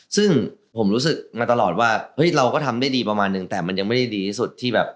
ซึ่งผมรู้สึกมาตลอดว่าเฮ้ยเราก็ทำได้ดีประมาณนึงแต่มันยังไม่ได้ดีที่สุดที่แบบ